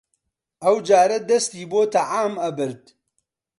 ئەوجارە دەستی بۆ تەعام ئەبرد